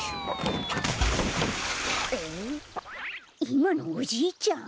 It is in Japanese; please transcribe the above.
いまのおじいちゃん？